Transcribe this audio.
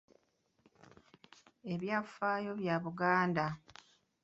Ebyafaayo bya Buganda